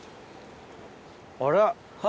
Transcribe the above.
あら。